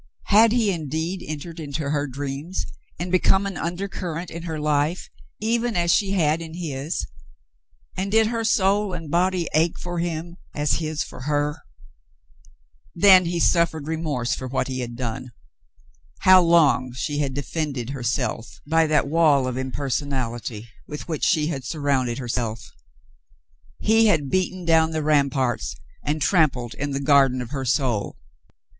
Had he indeed entered into her dreams and become an undercurrent in her life even as she had in his, and did her soul and body ache for him as his for her ? Then he suffered remorse for what he had done. How long she had defended herself by that wall of impersonality w^ith which she had surrounded herself ! He had beaten down the ramparts and trampled in the garden of her soul.